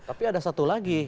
tapi ada satu lagi